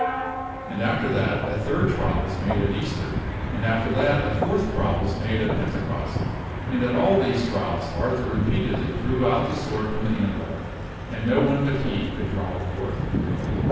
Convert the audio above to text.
And after that a third trial feeds at all was made at Easter and after that a fourth trial was made at Pentecost. And at all these trials Arthur repeatedly drew out the sword from the anvil, and no one but he could draw it forth.